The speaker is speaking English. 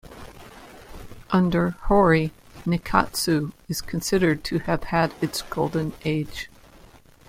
Under Hori, Nikkatsu is considered to have had its "Golden Age".